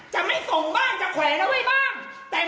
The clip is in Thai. จะไม่ส่งบ้างจะแขวนเอาไว้บ้าง